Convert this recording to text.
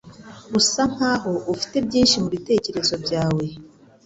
Usa nkaho ufite byinshi mubitekerezo byawe.